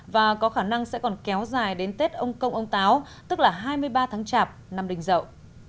và có khả năng sẽ còn kéo dài đến tết ông công ông táo tức là hai mươi ba tháng chạp năm đình dậu